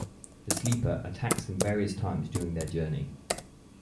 The Sleeper attacks them various times during their journey.